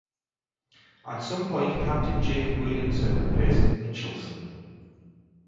At some point Captain Jacob Williamson replaced Mitchelson.